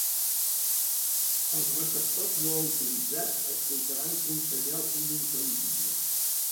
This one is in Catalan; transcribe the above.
Els receptors no autoritzats escoltaran un senyal inintel·ligible.